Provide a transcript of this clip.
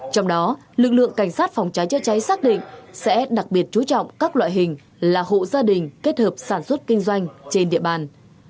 trong đó lực lượng cảnh sát phòng cháy chữa cháy xác định sẽ đặc biệt chú trọng các loại hình là hộ gia đình kết hợp sản xuất kinh doanh trên địa bàn